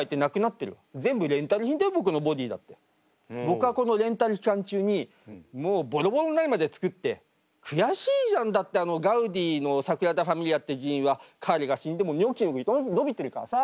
僕はこのレンタル期間中にもうボロボロになるまで作って悔しいじゃんだってあのガウディのサグラダ・ファミリアっていう寺院は彼が死んでもニョキニョキ伸びてるからさ。